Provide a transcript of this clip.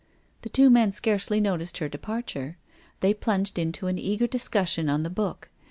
The two men scarcely noticed her departure. They plunged into an eager discussion on the book.